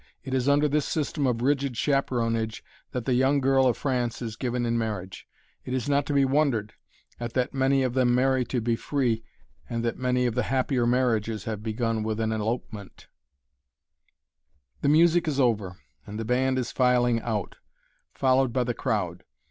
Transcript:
It is under this system of rigid chaperonage that the young girl of France is given in marriage. It is not to be wondered at that many of them marry to be free, and that many of the happier marriages have begun with an elopement! [Illustration: THE PALACE OF THE LUXEMBOURG] The music is over, and the band is filing out, followed by the crowd.